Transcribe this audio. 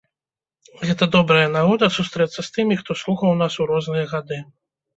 Гэта добрая нагода сустрэцца з тымі, хто слухаў нас у розныя гады.